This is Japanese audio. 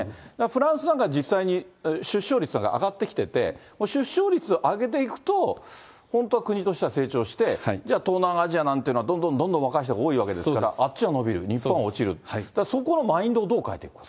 フランスなんか、実際に出生率が上がってきてて、出生率上げていくと、本当は国としては成長して、じゃあ東南アジアなんていうのはどんどんどんどん若い人が多いわけですから、あっちは伸びる、日本は落ちる、だからそこのマインドをどう変えていくか。